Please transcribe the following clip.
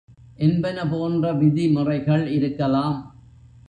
என்பன போன்ற விதிமுறைகள் இருக்கலாம்.